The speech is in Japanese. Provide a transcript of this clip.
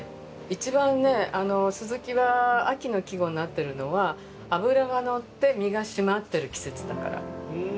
一番ね「鱸」は秋の季語になってるのは脂が乗って身が締まってる季節だから。